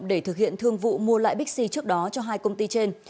để thực hiện thương vụ mua lại bích xì trước đó cho hai công ty trên